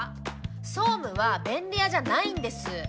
総務は便利屋じゃないんです。